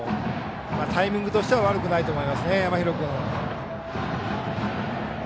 タイミングとしては悪くないと思いますね、山平君。